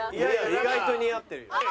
意外と似合ってるよ。